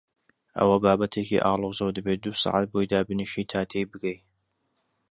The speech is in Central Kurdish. ئەوە بابەتێکی ئاڵۆزە و دەبێ دوو سەعات بۆی دابنیشی تا تێی بگەی.